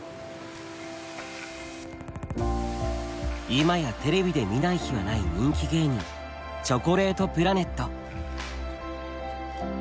今やテレビで見ない日はない人気芸人チョコレートプラネット。